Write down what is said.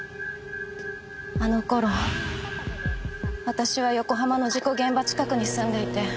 あの頃私は横浜の事故現場近くに住んでいて。